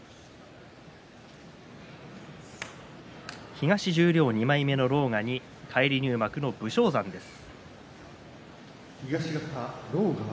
東十両２枚目の狼雅に返り入幕の武将山です。